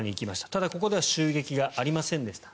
ただ、ここでは襲撃がありませんでした。